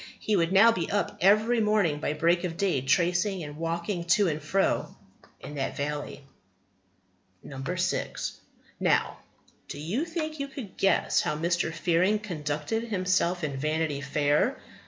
He would now be up every morning by break of day, tracing and walking to and fro in that valley." 6. Now, do you think you could guess how Mr. Fearing conducted himself in Vanity Fair?